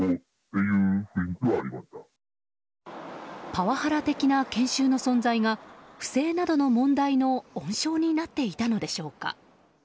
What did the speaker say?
パワハラ的な研修の存在が不正などの問題の温床になっていたのでしょうか。